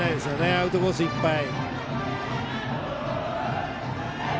アウトコースいっぱい。